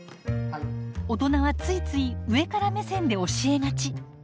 大人はついつい上から目線で教えがち。